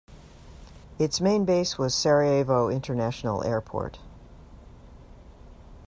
Its main base was Sarajevo International Airport.